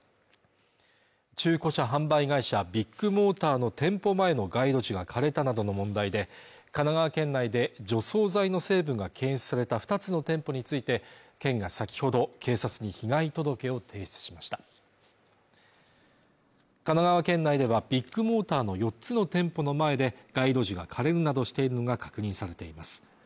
中古車販売会社ビッグモーターの店舗前の街路樹が枯れたなどの問題で神奈川県内で除草剤の成分が検出された２つの店舗について県が先ほど警察に被害届を提出しました神奈川県内ではビッグモーターの４つの店舗の前で街路樹が枯れるなどしているのが確認されています